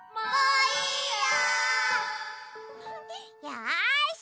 よし！